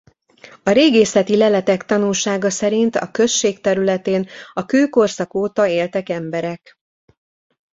A régészeti leletek tanúsága szerint a község területén a kőkorszak óta éltek emberek.